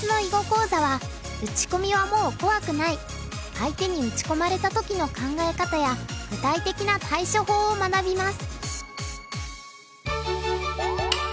相手に打ち込まれた時の考え方や具体的な対処法を学びます。